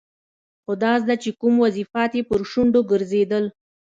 خدایزده چې کوم وظیفات یې پر شونډو ګرځېدل.